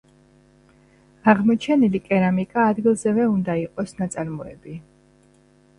აღმოჩენილი კერამიკა ადგილზევე უნდა იყოს ნაწარმოები.